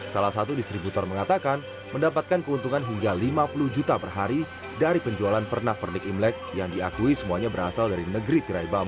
salah satu distributor mengatakan mendapatkan keuntungan hingga lima puluh juta per hari dari penjualan pernak pernik imlek yang diakui semuanya berasal dari negeri tirai bambu